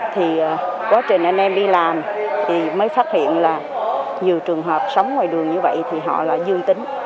thì quá trình anh em đi làm thì mới phát hiện là nhiều trường hợp sống ngoài đường như vậy thì họ lại dương tính